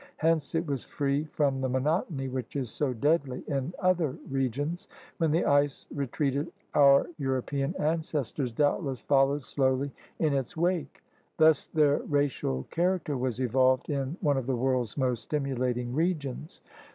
Hence it was free from the monotony which is so deadly in other regions. When the ice retreated our Euro pean ancestors doubtless followed slowly in its THE APPROACHES TO AMERICA 25 wake. Thus their racial character was evolved in one of the world's most stimulating regions.